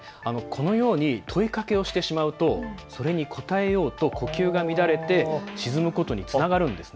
このように問いかけをしてしまうとそれに答えようと呼吸が乱れて沈むことにつながるんです。